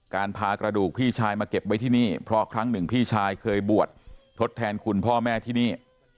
พากระดูกพี่ชายมาเก็บไว้ที่นี่เพราะครั้งหนึ่งพี่ชายเคยบวชทดแทนคุณพ่อแม่ที่นี่